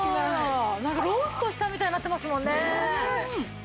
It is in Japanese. なんかローストしたみたいになってますもんね。